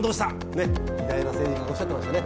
ねぇ偉大な政治家がおっしゃってましたね。